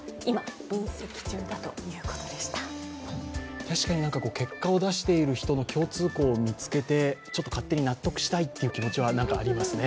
確かに結果を出している人の共通項を見つけて、勝手に納得したいという気持ちはありますね。